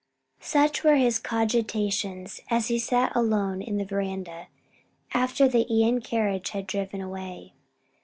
Such were his cogitations as he sat alone in the veranda, after the Ion carriage had driven away.